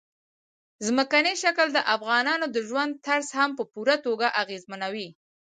ځمکنی شکل د افغانانو د ژوند طرز هم په پوره توګه اغېزمنوي.